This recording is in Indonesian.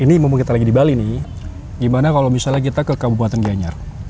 ini memang kita lagi di bali nih gimana kalau misalnya kita ke kabupaten gianyar